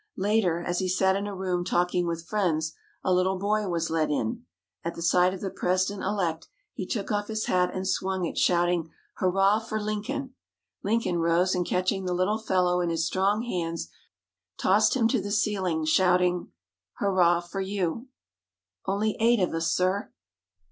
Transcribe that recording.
Later, as he sat in a room talking with friends, a little boy was led in. At the sight of the President elect, he took off his hat and swung it, shouting: "Hurrah for Lincoln!" Lincoln rose, and catching the little fellow in his strong hands, tossed him to the ceiling, shouting: "Hurrah for you!" _Only Eight of Us, Sir!